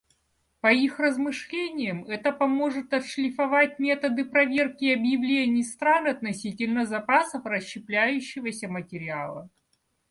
По их размышлениям, это поможет отшлифовать методы проверки объявлений стран относительно запасов расщепляющегося материала.